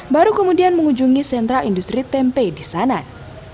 baru kemudian mengunjungi sentra industri tempe di sanan